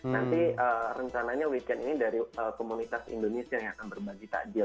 nanti rencananya weekend ini dari komunitas indonesia yang akan berbagi takjil